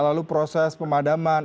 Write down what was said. lalu proses pemadaman